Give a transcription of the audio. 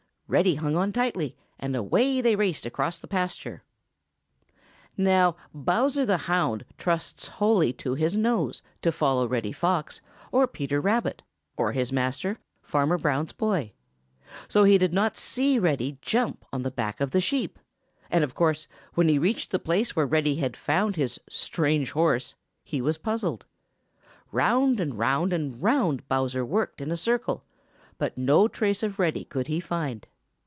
Reddy hung on tightly, and away they raced across the pasture. Now Bowser the Hound trusts wholly to his nose to follow Reddy Fox or Peter Rabbit or his master, Farmer Brown's boy. So he did not see Reddy jump on the back of the sheep, and, of course, when he reached the place where Reddy had found his strange horse, he was puzzled. Round and round, and round and round Bowser worked in a circle, but no trace of Reddy could he find.